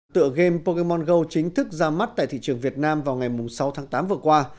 tựa game pogle mongo chính thức ra mắt tại thị trường việt nam vào ngày sáu tháng tám vừa qua